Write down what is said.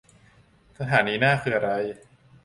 สถานีหน้าคืออะไร